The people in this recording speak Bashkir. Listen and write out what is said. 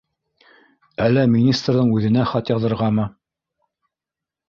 Әллә министрҙың үҙенә хат яҙырғамы?